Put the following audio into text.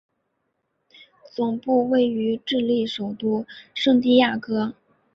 总部位于智利首都圣地亚哥。